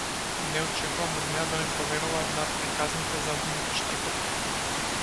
Не очекувам од неа да ми поверува на приказните за луѓето-штркови.